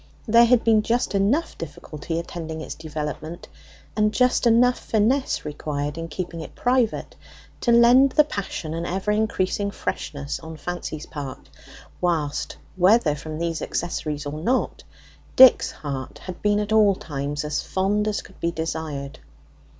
There had been just enough difficulty attending its development, and just enough finesse required in keeping it private, to lend the passion an ever increasing freshness on Fancy's part, whilst, whether from these accessories or not, Dick's heart had been at all times as fond as could be desired.